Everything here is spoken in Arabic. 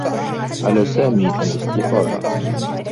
على سامي الاستقالة.